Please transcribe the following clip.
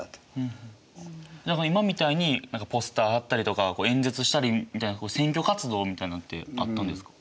何か今みたいにポスター貼ったりとか演説したりみたいな選挙活動みたいなのってあったんですか？